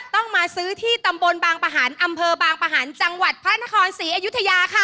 ต้องมาซื้อที่ตำบลบางประหันอำเภอบางประหันต์จังหวัดพระนครศรีอยุธยาค่ะ